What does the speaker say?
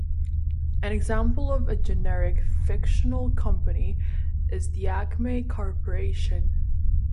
An example of a generic fictional company is the Acme Corporation.